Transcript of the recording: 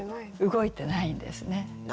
動いてないんですね。